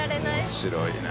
面白いな。